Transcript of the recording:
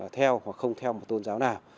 theo hoặc không theo một tôn giáo nào